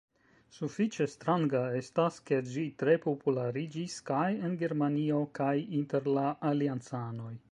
Sufiĉe stranga estas ke ĝi tre populariĝis kaj en Germanio kaj inter la aliancanoj.